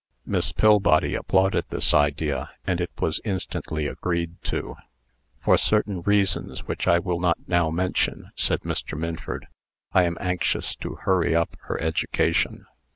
Miss Pillbody applauded this idea, and it was instantly agreed to. "For certain reasons, which I will not now mention," said Mr. Minford, "I am anxious to hurry up her education."